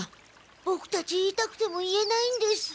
ボクたち言いたくても言えないんです。